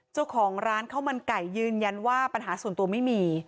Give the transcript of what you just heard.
เจ้าของร้านข้าวมันไก่ยืนยันว่าปัญหาส่วนตัวไม่มี